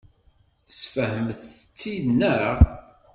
Tesfehmemt-tt-id, naɣ?